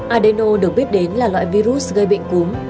adeno được biết đến là loại virus gây bệnh cúm